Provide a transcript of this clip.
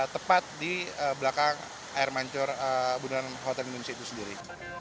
tepat di belakang air mancur bundaran hotel indonesia itu sendiri